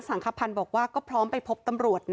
มันก็เลยกลายเป็นว่าเหมือนกับยกพวกมาตีกัน